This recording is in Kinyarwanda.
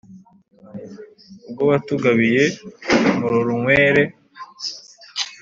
ubwo watugabiye murorunkwere